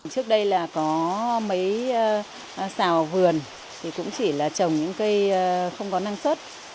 trước đây là có mấy xào vườn thì cũng chỉ là trồng những cây không có năng suất